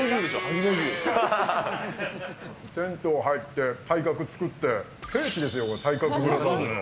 銭湯入って、体格作って、聖地ですよ、体格ブラザーズの。